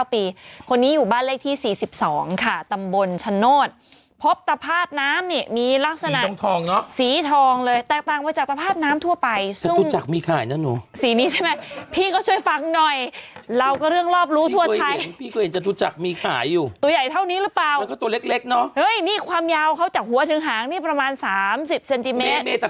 พระเอกดวงพระยายเย็นน่ะคุณแม่ก็โทรหาเขาเอาเลยพระเอกดวงพระยายเย็นน่ะคุณแม่ก็โทรหาเขาเอาเลยพระเอกดวงพระยายเย็นน่ะคุณแม่ก็โทรหาเขาเอาเลยพระเอกดวงพระยายเย็นน่ะคุณแม่ก็โทรหาเขาเอาเลยพระเอกดวงพระยายเย็นน่ะคุณแม่ก็โทรหาเขาเอาเลยพระเอกดวงพระยายเย็นน่ะคุณแม่ก็โทรห